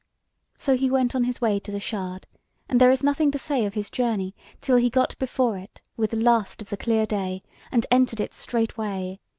So he went on his way to the shard; and there is nothing to say of his journey till he got before it with the last of the clear day, and entered it straightway.